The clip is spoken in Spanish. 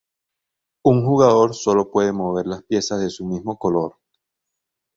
Un jugador solo puede mover las piezas de su mismo color.